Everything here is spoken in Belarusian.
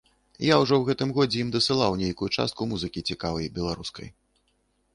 Я ўжо ў гэтым годзе ім дасылаў нейкую частку музыкі цікавай беларускай.